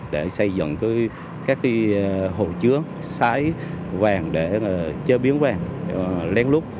để xây dựng các hồ chứa sái vàng để chế biến vàng lén lút